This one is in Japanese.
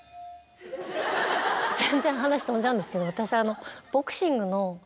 全然話飛んじゃうんですけど私。